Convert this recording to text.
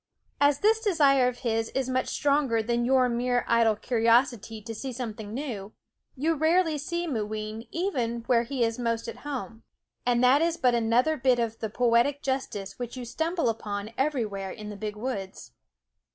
As this desire of his is much stronger than your mere idle curiosity to see something new, you rarely see Mooween even where he is most at home. And that is but another bit of the poetic justice which you stumble upon everywhere in the big woods.